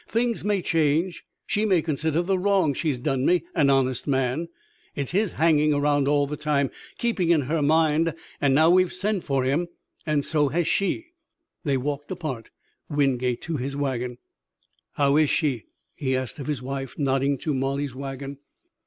Things may change. She may consider the wrong she's done me, an honest man. It's his hanging around all the time, keeping in her mind. And now we've sent for him and so has she!" They walked apart, Wingate to his wagon. "How is she?" he asked of his wife, nodding to Molly's wagon.